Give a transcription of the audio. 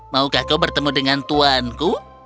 maukah kau bertemu dengan tuanku